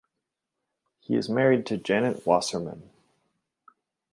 He is married to Janet Wasserman.